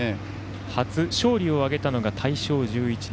初勝利を挙げたのが大正１１年。